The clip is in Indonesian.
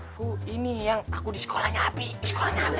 aku ini yang aku di sekolahnya api sekolahnya apa